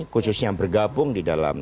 khususnya bergabung di dalam